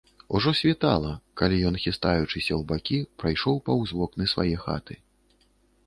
Ужо світала, калі ён, хістаючыся ў бакі, прайшоў паўз вокны свае хаты.